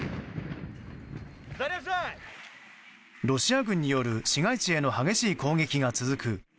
ロシア軍による市街地への激しい攻撃が続く